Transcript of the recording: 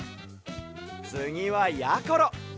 つぎはやころ！